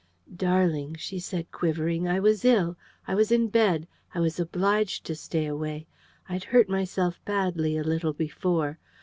"Darling," she said, quivering, "I was ill. I was in bed. I was obliged to stay away. I'd hurt myself badly a little before....